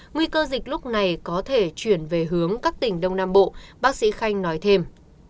nguy cơ dịch lúc này có thể chuyển về hướng các tỉnh đông nam bộ bác sĩ khanh nói thêm